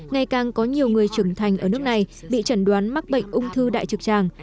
ngày càng có nhiều người trưởng thành ở nước này bị chẩn đoán mắc bệnh ung thư đại trực tràng